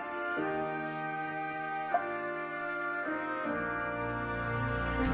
あっ。